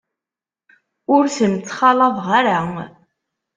Ur ten-ttxalaḍeɣ ara.